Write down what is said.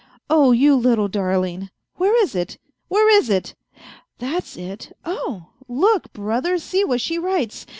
Oh, you little darling ! Where is it ? where is it ? That's it, oh ! Look, brother, see what she writes.